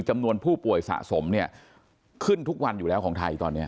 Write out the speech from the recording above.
จำนวนผู้ป่วยสะสมเนี่ยขึ้นทุกวันอยู่แล้วของไทยตอนนี้